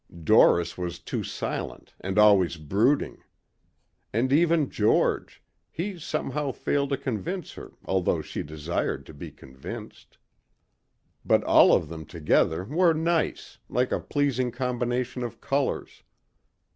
Doris was too silent and always brooding. And even George he somehow failed to convince her although she desired to be convinced. But all of them together were nice, like a pleasing combination of colors.